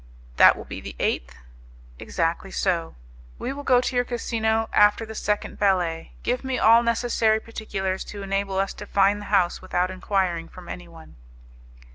"That will be the eighth?" "Exactly so. We will go to your casino after the second ballet. Give me all necessary particulars to enable us to find the house without enquiring from anyone."